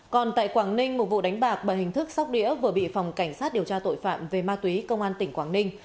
còn tại quảng ninh một vụ đánh bạc bằng hình thức sóc đĩa vừa bị phòng cảnh sát điều tra tội phạm về ma túy công an tỉnh quảng ninh